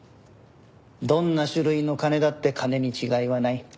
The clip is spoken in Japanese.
どんな種類の金だって金に違いはない。